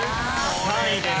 ３位です。